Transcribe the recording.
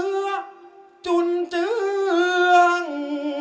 เอื้อจุนเจื้อง